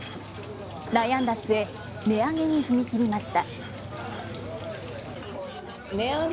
悩んだ末、値上げに踏み切りました。